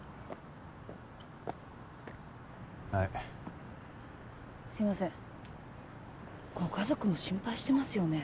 はいすいませんご家族も心配してますよね？